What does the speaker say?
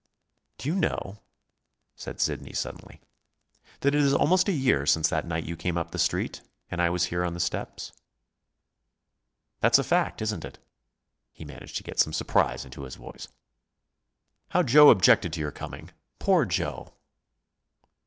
"Do you know," said Sidney suddenly, "that it is almost a year since that night you came up the Street, and I was here on the steps?" "That's a fact, isn't it!" He managed to get some surprise into his voice. "How Joe objected to your coming! Poor Joe!"